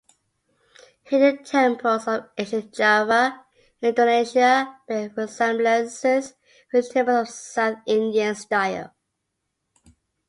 Hindu temples of ancient Java, Indonesia, bear resemblances with temples of South Indian style.